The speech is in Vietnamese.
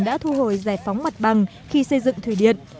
đã thu hồi giải phóng mặt bằng khi xây dựng thủy điện